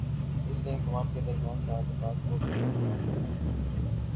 اس سے اقوام کے درمیان تعلقات کو بہتر بنایا جا تا ہے۔